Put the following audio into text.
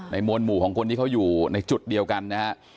มวลหมู่ของคนที่เขาอยู่ในจุดเดียวกันนะฮะ